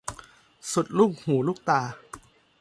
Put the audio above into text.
สุดลูกหูลูกตา